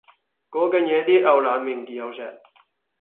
嗰間嘢啲牛腩麵幾好食